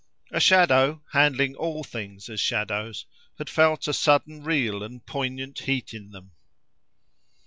A shadow, handling all things as shadows, had felt a sudden real and poignant heat in them.